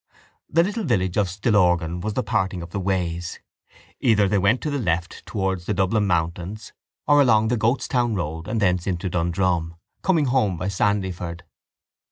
The little village of Stillorgan was the parting of the ways. Either they went to the left towards the Dublin mountains or along the Goatstown road and thence into Dundrum, coming home by Sandyford.